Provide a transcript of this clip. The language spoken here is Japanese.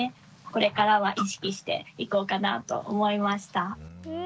これからは意識していこうかなと思いました。